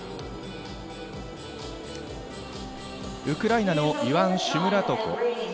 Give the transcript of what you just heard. ウクライナのイワン・シュムラトコ。